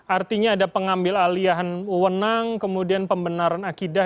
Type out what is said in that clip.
artinya ada pengambil aliahan uwenang kemudian pembenaran akidah